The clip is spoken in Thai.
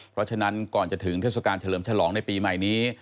เพราะฉะนั้นก่อนจะถึงเทศกาลเฉลิมฉลองในปีใหม่นี้